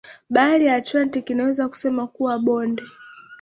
bahari ya atlantic Inaweza kusema kuwa bonde